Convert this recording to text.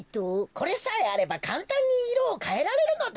これさえあればかんたんにいろをかえられるのだ。